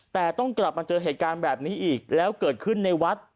แต่ต้องกลับมาเจอเหตุการณ์แบบนี้อีกแล้วเกิดขึ้นในวัด